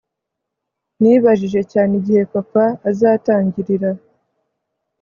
nibajije cyane igihe papa azatangirira